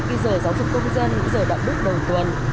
bây giờ giáo dục công dân bây giờ đạo đức đồng tuần